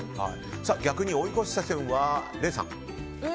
逆に追い越し車線は、礼さん。